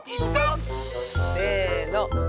せの。